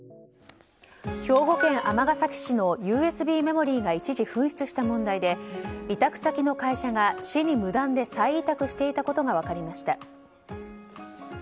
兵庫県尼崎市のＵＳＢメモリが一時紛失した問題で委託先の会社が市に無断で再委託していたことが分かりました。